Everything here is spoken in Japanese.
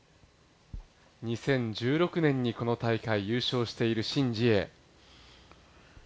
２０１６年にこの大会優勝しているシン・ジエ。